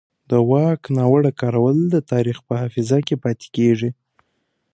د واک ناوړه کارول د تاریخ په حافظه کې پاتې کېږي